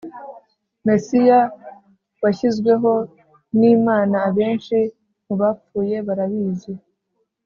mesiya washyizweho n Imana abenshi mu bapfuye barabizi